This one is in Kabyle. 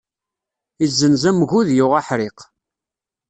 Izzenz amgud, yuɣ aḥriq.